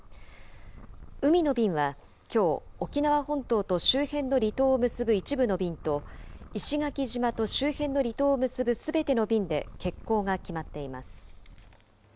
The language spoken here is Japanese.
海の便はきょう、沖縄本島と周辺の離島を結ぶ一部の便と、石垣島と周辺の離島を結ぶすべての便で欠航が決まっています。